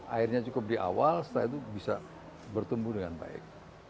airnya cukup di awal setelah itu bisa bertumbuh dengan baik